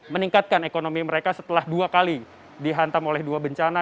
meningkatkan ekonomi mereka setelah dua kali dihantam oleh dua bencana